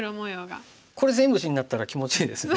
これ全部地になったら気持ちいいですね。